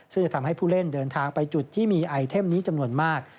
ซึ่งจะทำให้ผู้เล่นเดินทางไปจุดที่มีไอเทมนี้จำนวนมาก